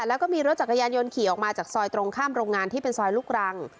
แล้วก็มีรถจักรยานยนต์ขี่ออกมาจากซอยตรงข้ามโรงงานที่เป็นซอยลูกรัง